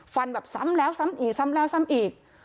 ฟันแบบซ้ำแล้วซ้ำอีกซ้ำแล้วซ้ำอีก